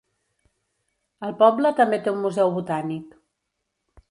El poble també té un museu botànic.